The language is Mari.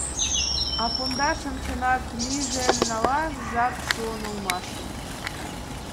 — А пондашым чынак нӱжын налаш жап шуын улмаш.